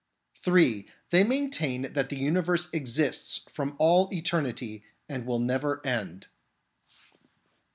(3) They maintain that the universe exists from all eternity and will never end.